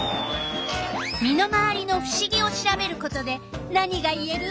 身の回りのふしぎを調べることで何がいえる？